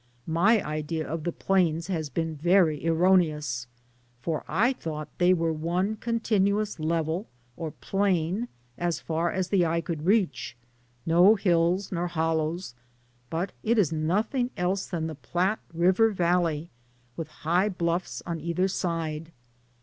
My idea of 74 DAYS ON THE ROAD. the plains has been very erroneous, for I thought they were one continuous level or plain as far as the eye could reach, no hills nor hollows, but it is nothing else than the Platte River Valley with high bluffs on either side.